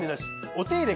お手入れ